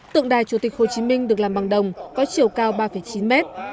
tượng đài chủ tịch hồ chí minh được làm bằng đồng có chiều cao ba chín mét